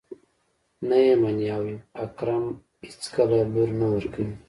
نه يې مني او اکرم اېڅکله لور نه ورکوي.